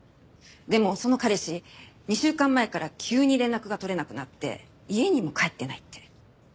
でもその彼氏２週間前から急に連絡が取れなくなって家にも帰ってないって。